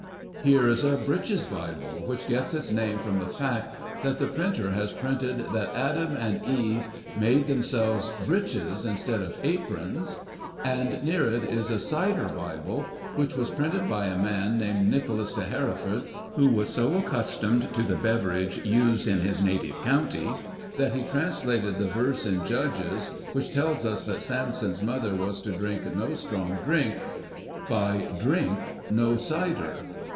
Here is a 'Breeches' Bible, which gets its name from the fact that the printer has printed that Adam and Eve made themselves 'breeches' instead of 'aprons'; and near it is a 'Cider' Bible, which was printed by a man named Nicolas de Hereford, who was so accustomed to the beverage used in his native county that he translated the verse in Judges, which tells us that Sampson's mother was to drink no strong drink, by 'drink no cider.